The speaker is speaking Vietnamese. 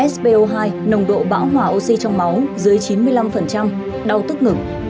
so hai nồng độ bão hỏa oxy trong máu dưới chín mươi năm đau tức ngực